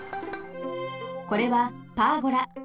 これはパーゴラ。